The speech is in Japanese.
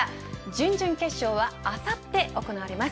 準々決勝はあさって行われます。